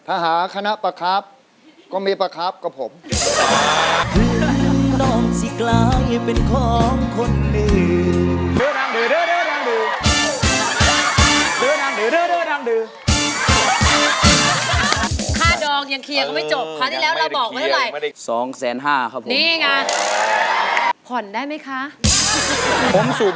เราก็ไปเลือกโรงที่ก็ไม่จบ